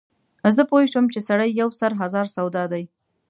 زه پوی شوم چې سړی یو سر هزار سودا دی.